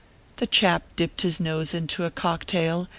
The chap dipped his nose into a cocktail.